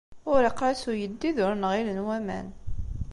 Ur iqṛis uyeddid, ur nnɣilen waman.